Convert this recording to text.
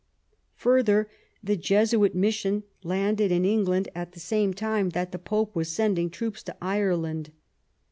Further, the Jesuit mission landed in England at the same time that the Pope was sending troops to Ireland.